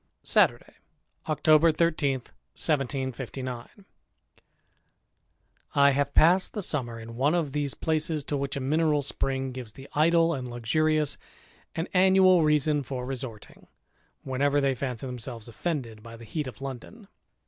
Saturday, October 13, 1759. T HAVE passed the summer in one of these places to ^ which a mineral spring gives the idle and luxurious an annual reason for resorting, whenever they fancy themselves offended by the heat of London.